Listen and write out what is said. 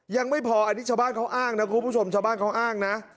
ยังไม่พออันนี้ชาวบ้านเขาอ้างนะคุณผู้ชมชาวบ้านเขาอ้างนะ